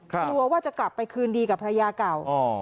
กลัวว่าจะกลับไปคืนดีกับภรรยาเก่า